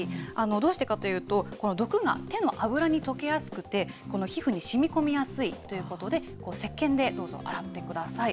どうしてかというと、この毒が手の脂に溶けやすくて、皮膚にしみこみやすいということで、せっけんでどうぞ洗ってください。